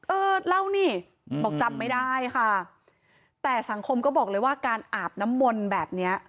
เออเล่านี่บอกจำไม่ได้ค่ะแต่สังคมก็บอกเลยว่าการอาบน้ำมนต์แบบเนี้ย